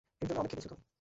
এর জন্য অনেক খেটেছ তুমি।